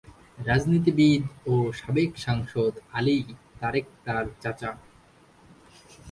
রাজনীতিবিদ ও সাবেক সাংসদ আলী তারেক তাঁর চাচা।